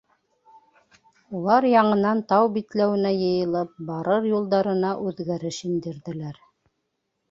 Улар яңынан тау битләүенә йыйылып, барыр юлдарына үҙгәреш индерҙеләр.